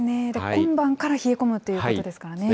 今晩から冷え込むということですからね。